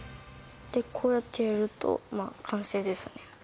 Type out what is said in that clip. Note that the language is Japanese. こうやってやるとまあ完成ですね